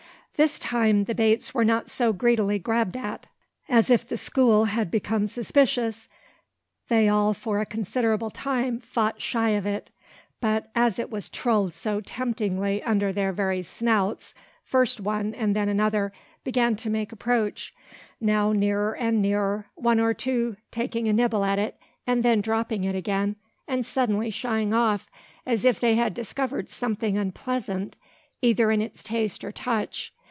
This time the baits were not so greedily "grabbed" at. As if the "school" had become suspicious, they all for a considerable time fought shy of it; but, as it was trolled so temptingly under their very snouts, first one and then another began to make approach, now nearer and nearer, one or two taking a nibble at it, and then dropping it again, and suddenly shying off, as if they had discovered something unpleasant either in its taste or touch.